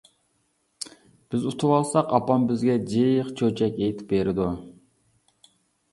بىز ئۇتۇۋالساق ئاپام بىزگە جىق چۆچەك ئېيتىپ بېرىدۇ.